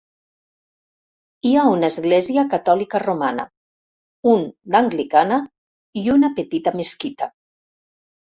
Hi ha una església catòlica romana, un d'anglicana i una petita mesquita.